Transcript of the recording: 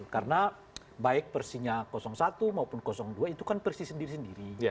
karena baik persisnya satu maupun dua itu kan persis sendiri sendiri